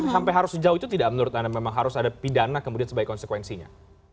sampai harus sejauh itu tidak menurut anda memang harus ada pidana kemudian sebagai konsekuensinya